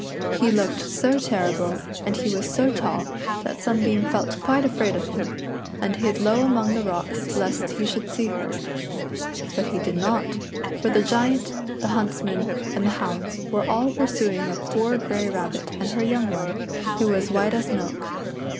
He looked so terrible, and he was so tall, that Sunbeam felt quite afraid of him, and hid low among the rocks lest he .should see her. But he did not, for the Giant, the hunts men, and the hounds were all pursuing a poor grey rabbit and her young one, who was white as milk.